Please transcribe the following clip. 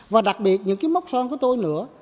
và đặc biệt những cái mốc son của tôi nữa